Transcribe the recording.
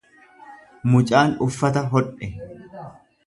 Mucaan uffata hodhe